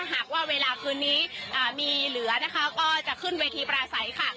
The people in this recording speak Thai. หากว่าเวลาคืนนี้มีเหลือนะคะก็จะขึ้นเวทีปราศัยค่ะ